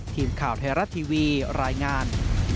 ทีมข่าวไทยรัฐทีวีรายงาน